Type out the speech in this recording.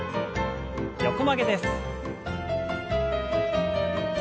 横曲げです。